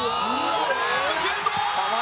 ループシュート！